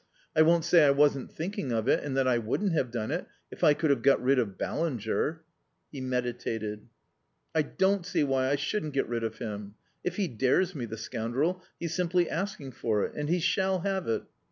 I won't say I wasn't thinking of it, and that I wouldn't have done it, if I could have got rid of Ballinger...." He meditated. "I don't see why I shouldn't get rid of him. If he dares me, the scoundrel, he's simply asking for it. And he shall have it."